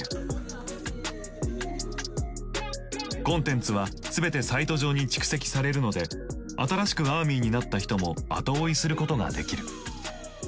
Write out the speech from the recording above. コンテンツはすべてサイト上に蓄積されるので新しくアーミーになった人も後追いすることができる。